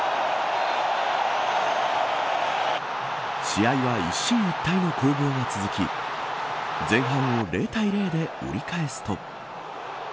試合は一進一退の攻防が続き前半を０対０で折り返すと。